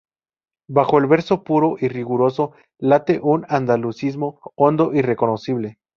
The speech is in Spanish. Bajo el verso puro y riguroso, late un andalucismo hondo y reconocible.